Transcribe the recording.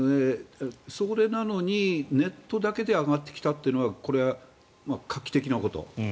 それなのにネットだけで上がってきたというのはこれは画期的なこと。